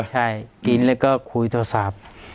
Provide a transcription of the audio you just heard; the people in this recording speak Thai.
ใช่กินแล้วก็คุยโทรศัพท์